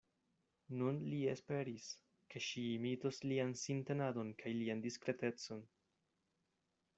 Nun li esperis, ke ŝi imitos lian sintenadon kaj lian diskretecon.